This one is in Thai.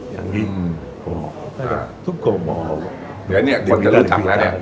เดี๋ยวเนี่ยคนจะรู้จักแล้วเนี่ย